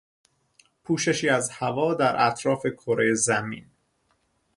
پوششی از هوا در اطراف کره زمین